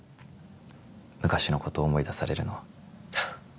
昔のことを思い出されるのは